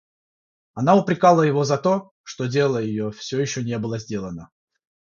Она упрекала его за то, что дело ее всё еще не было сделано.